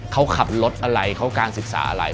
เขาขับรถอะไรเขาการศึกษาอะไร